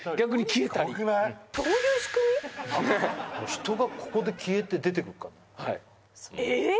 人がここで消えて出てくるからええっ！？